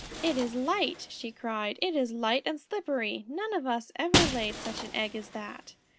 "It is light!" she cried. "It is light and slippery! None of us ever laid such an egg as that."